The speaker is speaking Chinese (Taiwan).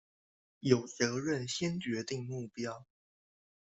有責任先決定目標